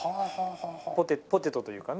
ポテトというかね。